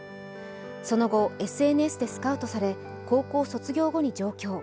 その後、ＳＮＳでスカウトされ高校卒業後に上京。